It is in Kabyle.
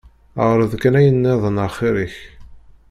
Ԑreḍ kan ayen nniḍen axir-ik.